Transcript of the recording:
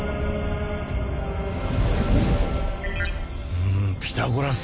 うんピタゴラス。